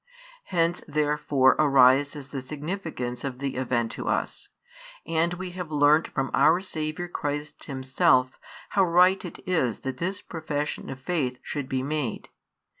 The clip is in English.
Hence therefore arises the significance of the event to us, and we have learnt from Our Saviour Christ Himself how right it is that this profession of faith should be made.